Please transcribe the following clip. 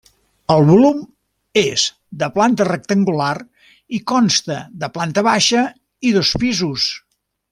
El volum és de planta rectangular i consta de planta baixa i dos pisos.